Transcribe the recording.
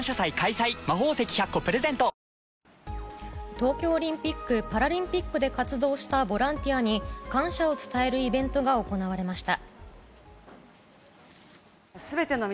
東京オリンピック・パラリンピックで活動したボランティアに感謝を伝えるイベントが行われました。